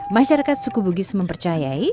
masyarakat suku bugis mempercayai